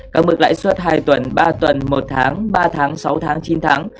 các mức lãi suất hai tuần ba tuần một tháng ba tháng sáu tháng chín tháng